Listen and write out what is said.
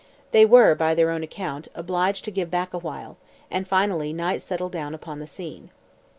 They were, by their own account, "obliged to give back a while," and finally night settled down upon the scene.